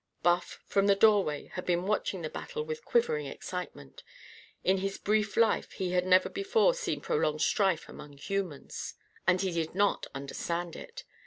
Buff, from the doorway, had been watching the battle with quivering excitement. In his brief life he had never before seen prolonged strife among humans. And he did not understand it.